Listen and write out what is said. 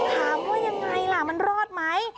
ถามว่ายังไงล่ะมันรอดไหม